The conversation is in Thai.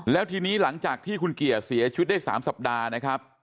แล้วทีนี้หลังจากที่คุณเกียร์เสียชีวิตได้๓สัปดาห์นะครับ